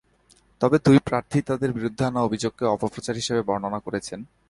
তবে দুই প্রার্থীই তাঁদের বিরুদ্ধে আনা অভিযোগকে অপপ্রচার হিসেবে বর্ণনা করেছেন।